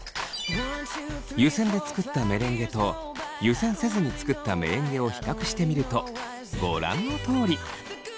湯せんで作ったメレンゲと湯せんせずに作ったメレンゲを比較してみるとご覧のとおり。